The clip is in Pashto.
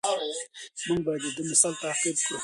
موږ باید د ده مثال تعقیب کړو.